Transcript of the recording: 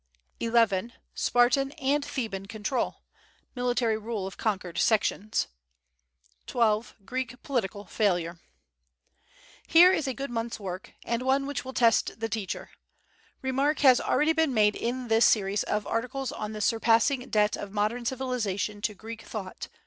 11. Spartan and Theban control. Military rule of conquered sections. 12. Greek political failure. Here is a good month's work; and one which will test the teacher. Remark has already been made in this series of articles on the surpassing debt of modern civilization to Greek thought.